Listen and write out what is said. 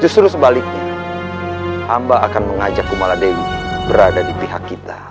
sebaliknya amba akan mengajak kumala dewi berada di pihak kita